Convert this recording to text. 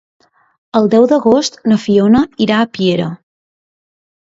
El deu d'agost na Fiona irà a Piera.